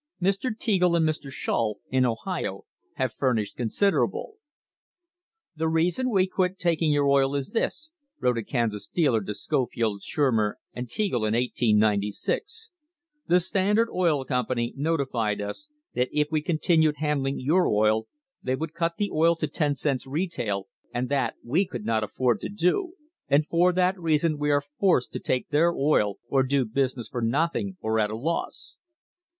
Mr. Teagle and Mr. Shull, in Ohio, have furnished considerable. "The reason we quit tak ing your oil is this," wrote a Kansas dealer to Scofield, Shur mer and Teagle, in 1896: "The Standard Oil Company noti fied us that if we continued handling your oil they would cut the oil to ten cents retail, and that we could not afford to do, and for that reason we are forced to take their oil or do busi ness for nothing or at a loss."